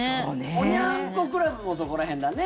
おニャン子クラブもそこら辺だね。